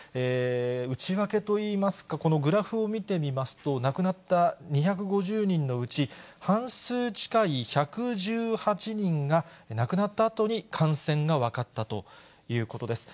内訳といいますか、このグラフを見てみますと、亡くなった２５０人のうち半数近い１１８人が亡くなったあとに感染が分かったということです。